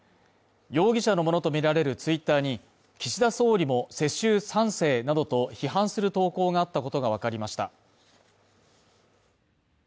容疑者のものとみられるツイッターに岸田総理も世襲３世などと批判する投稿があったことがわかりました。